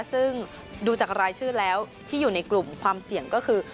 ซึ่งดูจากรายชื่อแล้วที่อยู่ในกลุ่มความเสี่ยงก็คือ